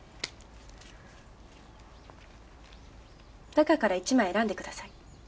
中から１枚選んでください。